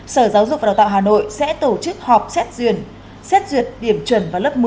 sở giáo dục và đào tạo hà nội sẽ tổ chức họp xét duyệt xét duyệt điểm chuẩn vào lớp một mươi